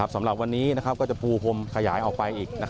สำหรับวันนี้ก็จะปูพรมขยายออกไปอีก